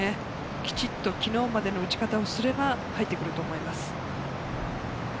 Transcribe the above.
きちっと昨日までの打ち方をすれば、入ってくると思います。